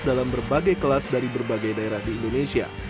dalam berbagai kelas dari berbagai daerah di indonesia